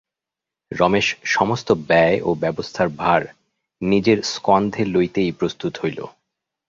রমেশ সমস্ত ব্যয় ও ব্যবস্থার ভার নিজের স্কন্ধে লইতেই প্রস্তুত হইল।